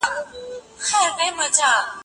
هغه غواړي چي خپله څېړنه په یوازې ځان وکړي.